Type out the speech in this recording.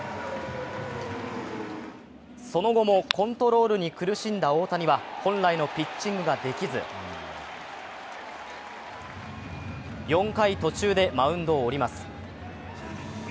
その後もコントロールに苦しんだ大谷は本来のピッチングができず４回途中でマウンドを降ります。